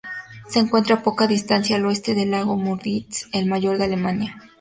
Se encuentra a poca distancia al oeste del lago Müritz, el mayor de Alemania.